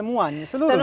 semuanya seluruh dunia